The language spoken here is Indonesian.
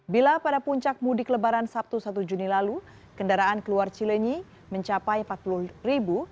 bila pada puncak mudik lebaran sabtu satu juni lalu kendaraan keluar cilenyi mencapai empat puluh ribu